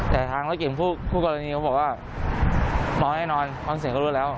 แต่ทางรถเก่งคู่กรณีเขาบอกว่าเมาแน่นอนฟังเสียงเขารู้แล้ว